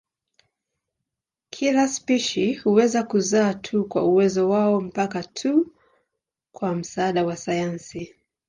Kila spishi huweza kuzaa tu kwa uwezo wao mpaka tu kwa msaada wa sayansi.